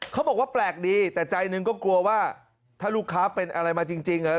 เขาบอกว่าแปลกดีแต่ใจหนึ่งก็กลัวว่าถ้าลูกค้าเป็นอะไรมาจริงอ่ะ